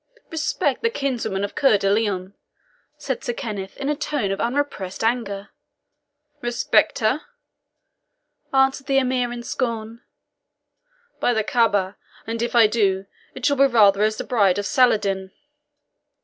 "Respect the kinswoman of Coeur de Lion!" said Sir Kenneth, in a tone of unrepressed anger. "Respect her!" answered the Emir in scorn; "by the Caaba, and if I do, it shall be rather as the bride of Saladin."